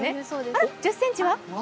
あらっ、１０ｃｍは？